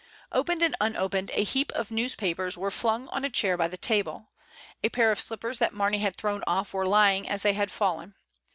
Opened and unopened a heap of newspapers were flung on a chair by the table; a pair of slip pers that Mamey had thrown off were lying as they had fallen.